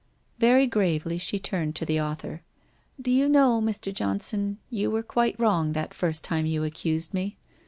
' Very gravely she turned to the author. ' Do you know, Mr. Johnson, you were quite wrong that first time you accused me.